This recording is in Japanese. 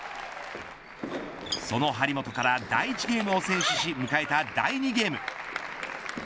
その張本から第１ゲームを先取し迎えた第２ゲーム。